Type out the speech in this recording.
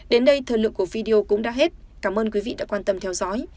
đến đây thời lượng của video cũng đã hết cảm ơn quý vị đã quan tâm theo dõi